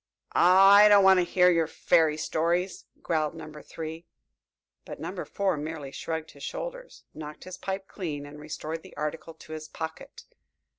"Ah, I don't want to hear your fairy stories," growled Number Three, but Number Four merely shrugged his shoulders, knocked his pipe clean and restored the article to his pocket.